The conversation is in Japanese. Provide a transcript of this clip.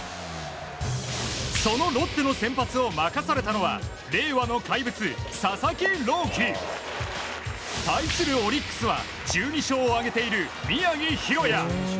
そのロッテの先発を任されたのは令和の怪物、佐々木朗希。対するオリックスは１２勝を挙げている宮城大弥。